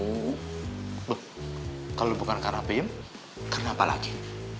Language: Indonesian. loh kalau bukan karena pim karena apa lagi